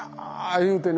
言うてね